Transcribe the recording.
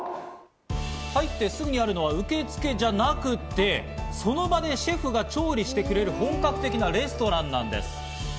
入ってすぐにあるのは受け付けではなくって、その場でシェフが調理してくれる本格的なレストランなんです。